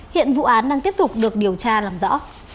hiện vụ án đang tiếp tục được điều tra làm rõ